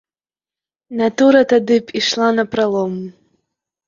Натура тады б ішла напралом.